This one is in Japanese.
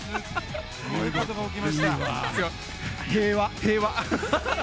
平和。